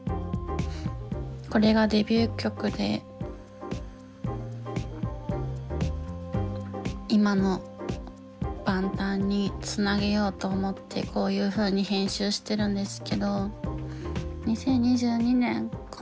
これがデビュー曲で今のバンタンにつなげようと思ってこういうふうに編集してるんですけど。